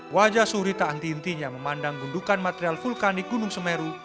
wajah suri tak anti intinya memandang gundukan material vulkanik gunung semeru